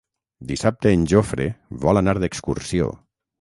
Dissabte en Jofre vol anar d'excursió.